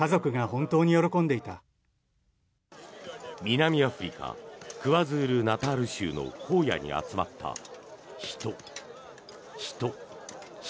南アフリカクワズール・ナタール州の荒野に集まった人、人、人。